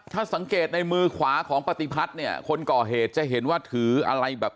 ถ้าสังเกตในมือขวาของปฏิพัฒน์เนี่ยคนก่อเหตุจะเห็นว่าถืออะไรแบบ